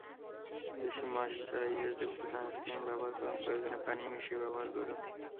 বেশি ময়েশ্চারাইজার যুক্ত সানস্ক্রিন ব্যবহার করুন, প্রয়োজনে পানি মিশিয়ে ব্যবহার করুন।